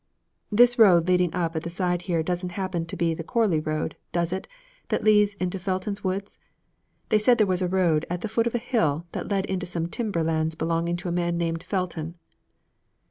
'This road leading up at the side here doesn't happen to be the Chorley road, does it, that leads into Felton's woods? They said there was a road at the foot of a hill that led into some timber lands belonging to a man named Felton.'